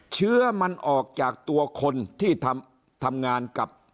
เชื้อมันออกจากตัวคนที่ทำงานกับ